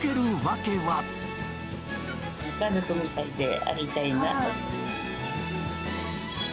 家族みたいでありたいなと。